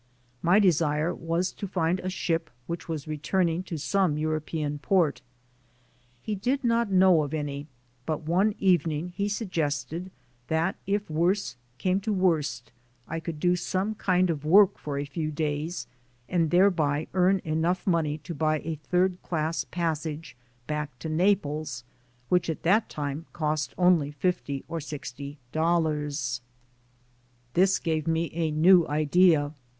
My desire was to find a ship which was returning to some Euro pean port. He did not know of any, but one even ing he suggested that if worse came to worst, I could do some kind of work for a few days and thereby earn enough money to buy a third class passage back to Naples, which at that time cost only fifty or sixty dollars. This gave me a new idea.